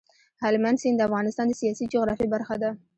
هلمند سیند د افغانستان د سیاسي جغرافیه برخه ده.